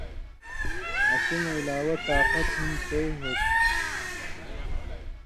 اسی نہ علاوہ طاقت ہُم چئ ہوتھی۔